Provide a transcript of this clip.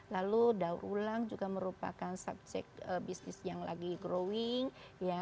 lalu daur ulang juga merupakan subjek bisnis yang lagi growing